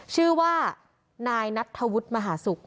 ชื่อว่านายนัทธวุฒิมหาศุกร์